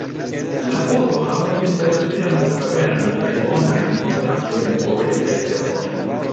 La urbo havas internacian flughavenon kaj bonajn kontaktojn voje kaj fervoje.